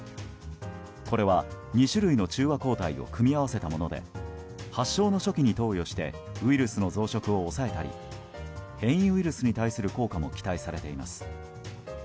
これは２種類の中和抗体を組み合わせたもので発症の初期に投与してウイルスの増殖を抑えたり変異ウイルスに対する効果も期待されています。